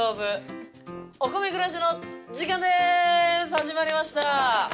始まりました！